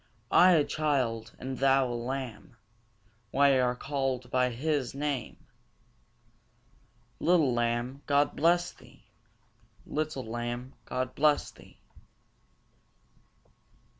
I a child, and thou a lamb, We are callèd by His name. Little lamb, God bless thee! Little lamb, God bless thee!